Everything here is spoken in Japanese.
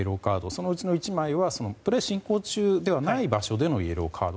そのうちの１枚はプレー進行中ではない場所でのイエローカード。